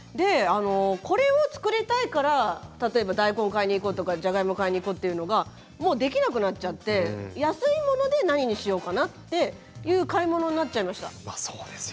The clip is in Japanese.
これを作りたいから例えば大根買いに行こうじゃがいも買いに行こうというのができなくなっちゃって安いもので何にしようかなという買い物になっちゃいました。